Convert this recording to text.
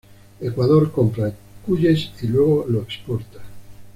Ecuador compra cuyes y luego lo exporta.